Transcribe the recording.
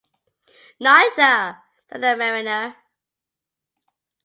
"Neither," said the mariner.